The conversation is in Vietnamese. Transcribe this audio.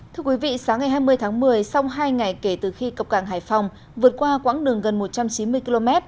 thưa quý vị sáng ngày hai mươi tháng một mươi sau hai ngày kể từ khi cập cảng hải phòng vượt qua quãng đường gần một trăm chín mươi km